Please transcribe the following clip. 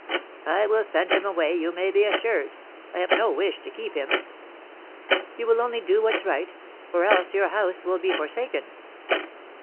"I will send him away, you may be assured. I have no wish to keep him." "You will only do what's right, for else your house will be forsaken."